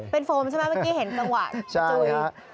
เป็นโฟมใช่ไหมเมื่อกี้เห็นจังหวะจุย